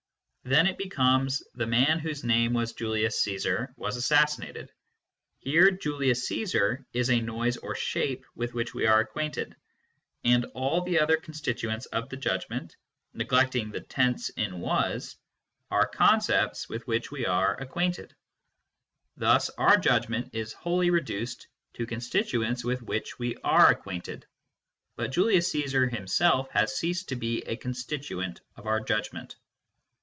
Then it becomes Vjhe man whose name was Julius Ccesar was assassinated."] Here Julius Casar is a noise or shape with which we are acquainted, and all the other constituents of the judgment (neglecting the tense in "was") are concepts with which we are_ ac quainted. Thus ou judgment is wholly reduced to_ con stituents with which we are acquainted, but Julius Caesar himself has ceased to be a constituent of our judgment.